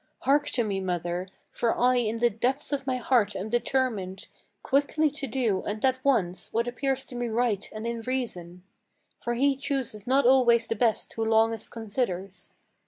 Hark to me, mother: for I in the depths of my heart am determined Quickly to do, and at once, what appears to me right and in reason; For he chooses not always the best who longest considers.